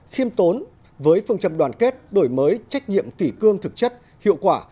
khiêm tốn với phương trầm đoàn kết đổi mới trách nhiệm kỷ cương thực chất hiệu quả